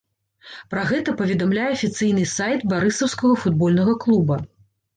Пра гэта паведамляе афіцыйны сайт барысаўскага футбольнага клуба.